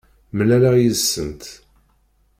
Mlaleɣ yid-sent.